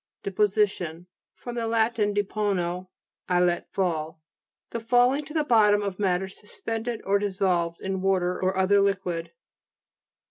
DEPOSITION fr. lat. depono, I let fall. The falling to the bottom of matters suspended or dissolved in water or other liquid.